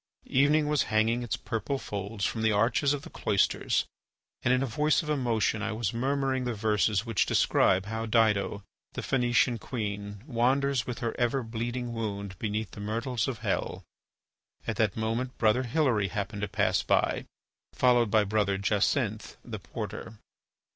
Evening was hanging its purple folds from the arches of the cloisters and in a voice of emotion I was murmuring the verses which describe how Dido, the Phœnician queen, wanders with her ever bleeding wound beneath the myrtles of hell. At that moment Brother Hilary happened to pass by, followed by Brother Jacinth, the porter.